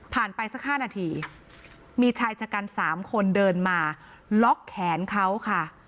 ไปสัก๕นาทีมีชายชะกัน๓คนเดินมาล็อกแขนเขาค่ะ